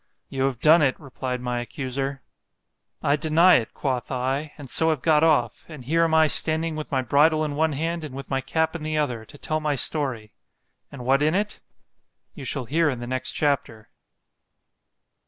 You have done it, replied my accuser. I deny it, quoth I, and so have got off, and here am I standing with my bridle in one hand, and with my cap in the other, to tell my story.——And what in it? You shall hear in the next chapter.